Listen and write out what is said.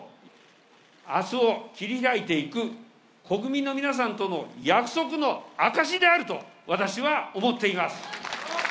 あすを切り開いていく国民の皆さんとの約束の証しであると、私は思っています。